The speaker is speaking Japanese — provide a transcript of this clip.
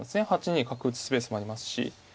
８二角打つスペースもありますし。